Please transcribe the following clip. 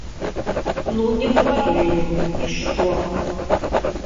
Ну не хварэлі вы, і што?